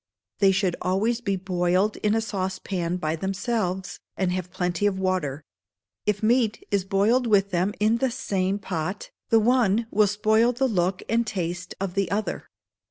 They should alway be boiled in a saucepan by themselves, and have plenty of water: if meat is boiled with them in the same pot, the one will spoil the look and taste of the other.